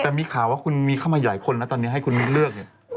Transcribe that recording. แต่มีข่าวว่าคุณมีเข้ามาหลายคนนะตอนนี้ให้คุณมิ้นเลือกเนี่ย